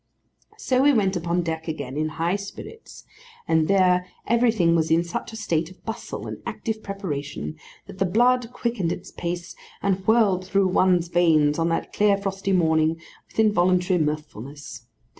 So we went upon deck again in high spirits; and there, everything was in such a state of bustle and active preparation, that the blood quickened its pace, and whirled through one's veins on that clear frosty morning with involuntary mirthfulness.